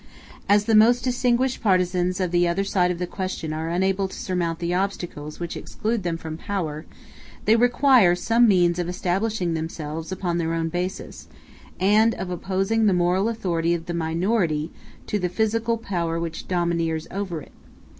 As the most distinguished partisans of the other side of the question are unable to surmount the obstacles which exclude them from power, they require some means of establishing themselves upon their own basis, and of opposing the moral authority of the minority to the physical power which domineers over it.